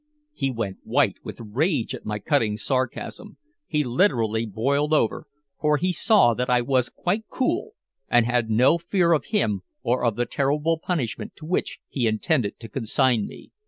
He went white with rage at my cutting sarcasm. He literally boiled over, for he saw that I was quite cool and had no fear of him or of the terrible punishment to which he intended to consign me.